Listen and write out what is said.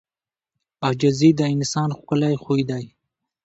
• عاجزي د انسان ښکلی خوی دی.